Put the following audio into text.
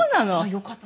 よかった。